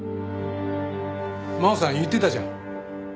真央さん言ってたじゃん。